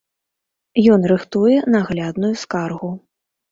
Ён рыхтуе наглядную скаргу.